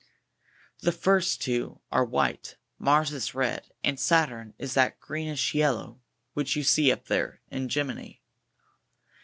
The first two are white, Mars is red, and Saturn is that green 60 ish yellow which you see up there in Gemini.